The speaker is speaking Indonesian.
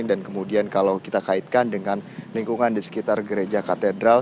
dan kemudian kalau kita kaitkan dengan lingkungan di sekitar gereja katedral